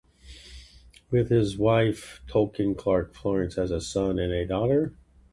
With his wife Tolan Clark, Florence has a son and a daughter.